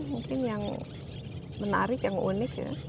mungkin yang menarik yang unik ya